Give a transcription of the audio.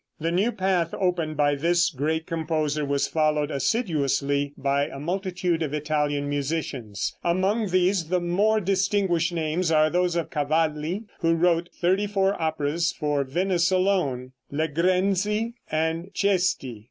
The new path opened by this great composer was followed assiduously by a multitude of Italian musicians. Among these the more distinguished names are those of Cavalli, who wrote thirty four operas for Venice alone, Legrenzi and Cesti.